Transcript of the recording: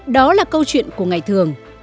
đó là câu chuyện của ngày thường